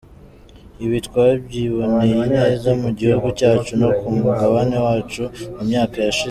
Ibi twabyiboneye neza mu gihugu cyacu no ku mugabane wacu mu myaka yashize.